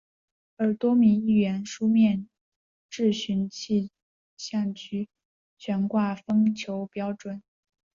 而多名议员书面质询气象局悬挂风球标准。